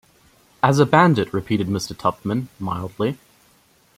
‘As a bandit,’ repeated Mr. Tupman, mildly.